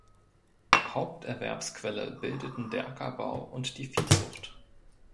Haupterwerbsquelle bildeten der Ackerbau und die Viehzucht.